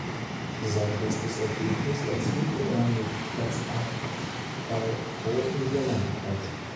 Sein bestes Ergebnis erzielte er mit Platz acht bei Großen Diamant-Preis.